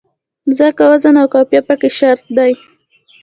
ځکه وزن او قافیه پکې شرط دی.